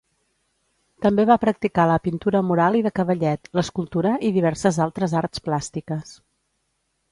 També va practicar la pintura mural i de cavallet, l'escultura i diverses altres arts plàstiques.